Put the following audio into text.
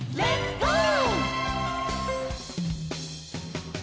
「ゴー！」